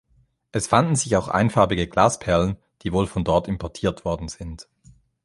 Es fanden sich auch einfarbige Glasperlen, die wohl von dort importiert worden sind.